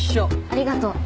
ありがとう。